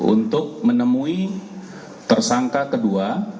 untuk menemui tersangka kedua